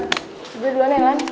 coba dulu nelan